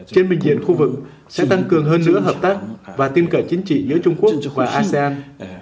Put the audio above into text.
trên bình diện khu vực sẽ tăng cường hơn nữa hợp tác và tin cậy chính trị giữa trung quốc và asean